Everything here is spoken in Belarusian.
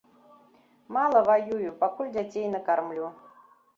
Мала ваюю, пакуль дзяцей накармлю.